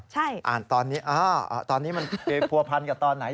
หรออ่านตอนนี้อ้าวตอนนี้มันผัวพันธุ์กับตอนไหน